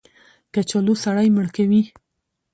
کچالو سړی مړ کوي